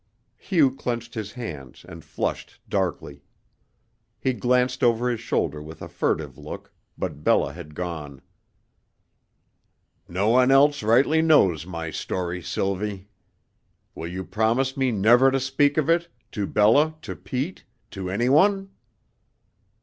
Hugh clenched his hands and flushed darkly. He glanced over his shoulder with a furtive look, but Bella had gone. "No one else rightly knows my story, Sylvie. Will you promise me never to speak of it, to Bella, to Pete, to any one?"